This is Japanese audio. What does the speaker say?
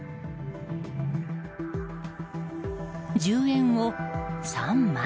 １０円を３枚。